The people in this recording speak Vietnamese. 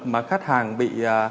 mà khách hàng bị